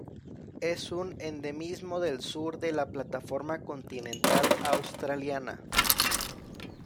Es un endemismo del sur de la plataforma continental australiana.